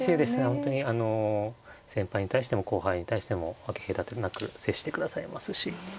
本当にあの先輩に対しても後輩に対しても分け隔てなく接してくださいますし。